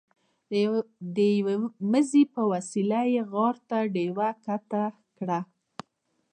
د یوه مزي په وسیله یې غار ته ډیوه ښکته کړه.